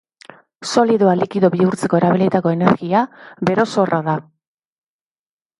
Solidoa likido bihurtzeko erabilitako energia bero-sorra da.